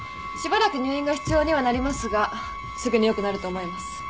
しばらく入院が必要にはなりますがすぐに良くなると思います。